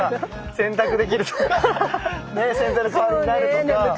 洗剤の代わりになるとか。